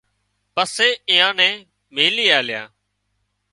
پسي ايئان نين ميلِي آليا